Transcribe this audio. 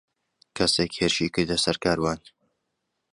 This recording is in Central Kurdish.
کەسێک هێرشی کردە سەر کاروان.